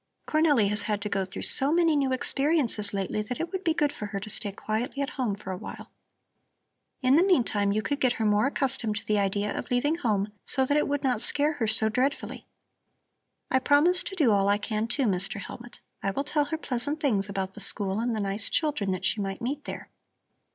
"Cornelli has had to go through so many new experiences lately that it would be good for her to stay quietly at home for a while. In the meantime you could get her more accustomed to the idea of leaving home, so that it would not scare her so dreadfully. I promise to do all I can too, Mr. Hellmut. I will tell her pleasant things about the school and the nice children that she might meet there."